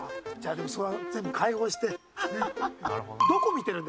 でもそれは全部解放してね。